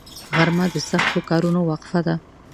غرمه د سختو کارونو وقفه ده